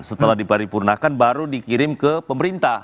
setelah diparipurnakan baru dikirim ke pemerintah